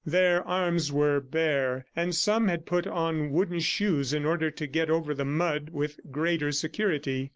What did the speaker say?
Their arms were bare, and some had put on wooden shoes in order to get over the mud with greater security.